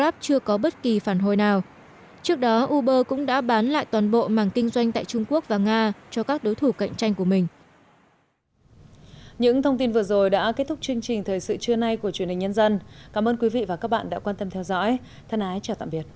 đến đó uber cũng đã bán lại toàn bộ mảng kinh doanh tại trung quốc và nga cho các đối thủ cạnh tranh của mình